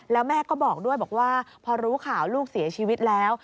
แล้วแม่ก็บอกด้วยบอกว่าพอรู้ข่าวลูกเสียชีวิตแล้ว